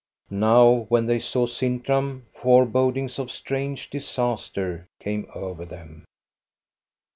Now, when they saw Sintram, forebodings of strange disaster came over them.